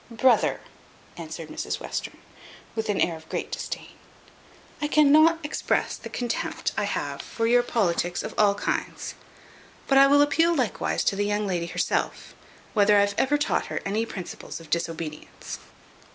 "Brother," answered Mrs Western, with an air of great disdain, "I cannot express the contempt I have for your politics of all kinds; but I will appeal likewise to the young lady herself, whether I have ever taught her any principles of disobedience.